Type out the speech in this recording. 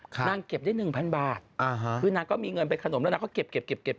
นางเก็บได้๑๐๐๐บาทคือนางก็มีเงินไปขนมแล้วนางก็เก็บ